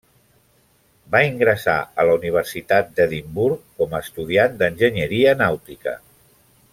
Va ingressar a la Universitat d'Edimburg com a estudiant d'enginyeria nàutica.